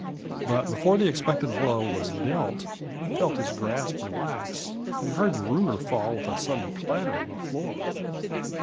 But before the expected blow was dealt I felt his grasp relax, and heard the ruler fall with a sudden clatter on the floor.